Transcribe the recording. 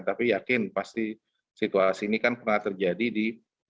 tapi yakin pasti situasi ini kan pernah terjadi di dua ribu tiga belas dua ribu empat belas